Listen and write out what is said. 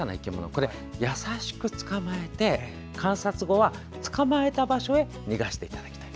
これは、優しく捕まえて観察後は捕まえた場所へ逃がしていただきたい。